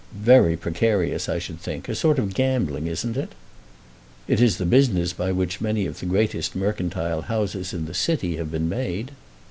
"Very precarious I should think. A sort of gambling; isn't it?" "It is the business by which many of the greatest mercantile houses in the city have been made."